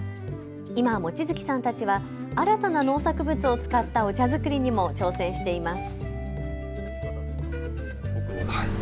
今、望月さんたちは新たな農作物を使ったお茶作りにも挑戦しています。